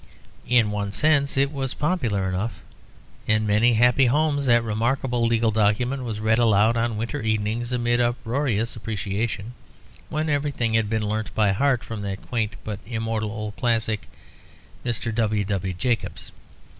In one sense it was popular enough. In many happy homes that remarkable legal document was read aloud on winter evenings amid uproarious appreciation, when everything had been learnt by heart from that quaint but immortal old classic, Mr. W. W. Jacobs.